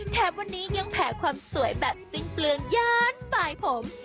แถมวันนี้ยังแผ่ความสวยแบบสิ้นเปลืองย่านฝ่ายผม